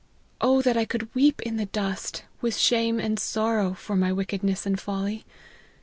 O that I could weep in the dust, with shame and sorrow, for my wickedness and folly